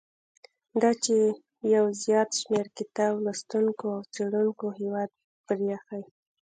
دا چې یو زیات شمیر کتاب لوستونکو او څېړونکو هیواد پریښی.